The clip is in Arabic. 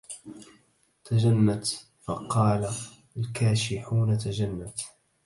تجنت فقال الكاشحون تجنت